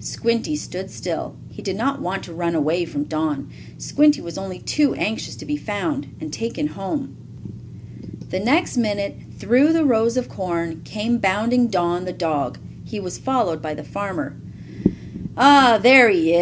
Squinty stood still. He did not want to run away from Don. Squinty was only too anxious to be found, and taken home. The next minute, through the rows of corn, came bounding Don, the dog. He was followed by the farmer. "Ah, there he is!